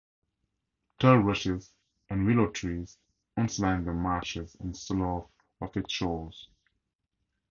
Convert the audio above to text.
Tule rushes and willow trees once lined the marshes and sloughs of its shores.